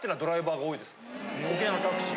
沖縄のタクシー。